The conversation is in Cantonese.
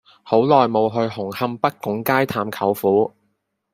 好耐無去紅磡北拱街探舅父